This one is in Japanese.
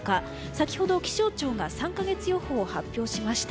先ほど気象庁が３か月予報を発表しました。